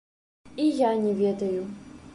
І я не ведаю.